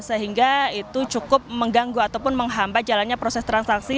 sehingga itu cukup mengganggu ataupun menghambat jalannya proses transaksi